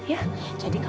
nenek kamu bisa lihat